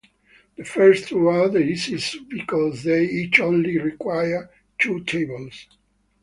The first two are the easiest because they each only require two tables.